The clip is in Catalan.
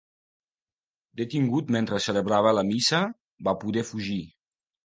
Detingut mentre celebrava la missa, va poder fugir.